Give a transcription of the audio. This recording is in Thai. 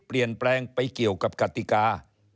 เปลี่ยนแปลงไปเกี่ยวกับกติกา